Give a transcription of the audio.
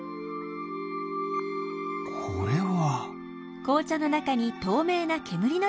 これは。